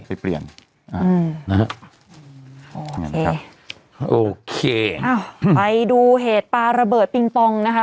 ไปเปลี่ยนอืมนะฮะโอเคโอเคเอ้าไปดูเหตุปลาระเบิดปิงปองนะฮะ